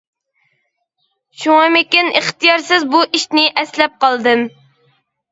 شۇڭىمىكىن ئىختىيارسىز بۇ ئىشنى ئەسلەپ قالدىم.